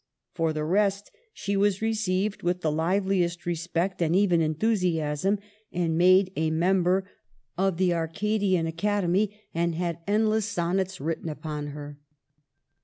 For the rest, she was received with the liveliest respect, and even enthusiasm ; was made a mem ber of the Arcadian Academy, and had endless sonnets written upon her.